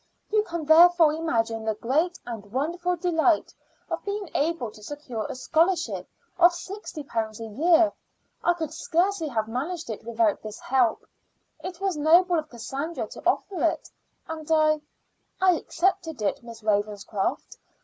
You can therefore imagine the great and wonderful delight of being able to secure a scholarship of sixty pounds a year. I could scarcely have managed it without this help. It was noble of Cassandra to offer it, and I I accepted it, Miss Ravenscroft.